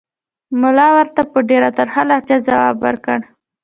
ملا ورته په ډېره ترخه لهجه ځواب ورکړ.